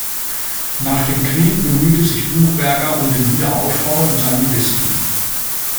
Nach dem Krieg bemühte sich Buchberger um den Wiederaufbau in seinem Bistum.